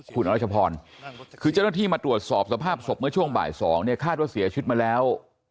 คุณรัชพรคือเจ้าหน้าที่มาตรวจสอบสภาพศพเมื่อช่วงบ่าย๒เนี่ยคาดว่าเสียชีวิตมาแล้ว